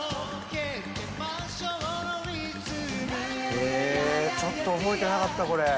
へぇちょっと覚えてなかったこれ。